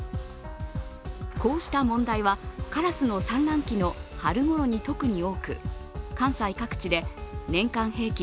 こうした問題は、カラスの産卵期の春ごろに特に多く関西各地で年間平均